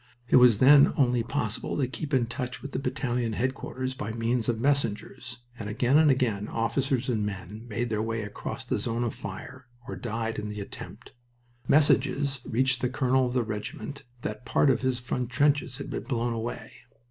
It was then only possible to keep in touch with the battalion headquarters by means of messengers, and again and again officers and men made their way across the zone of fire or died in the attempt. Messages reached the colonel of the regiment that part of his front trenches had been blown away.